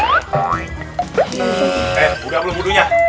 eh udah belum mundurnya